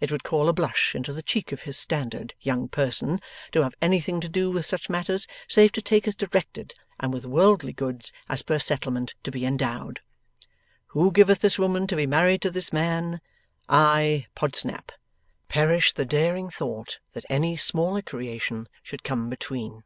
It would call a blush into the cheek of his standard Young Person to have anything to do with such matters save to take as directed, and with worldly goods as per settlement to be endowed. Who giveth this woman to be married to this man? I, Podsnap. Perish the daring thought that any smaller creation should come between!